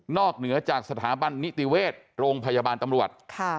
เหนือจากสถาบันนิติเวชโรงพยาบาลตำรวจ